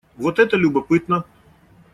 Вот это любопытно.